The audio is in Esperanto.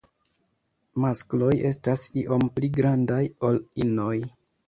Maskloj estas iom pli grandaj ol inoj.